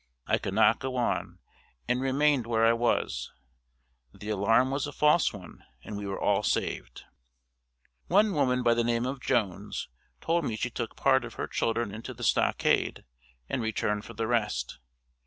I could not go on and remained where I was. The alarm was a false one and we were all saved. One woman by the name of Jones told me she took part of her children into the stockade and returned for the rest.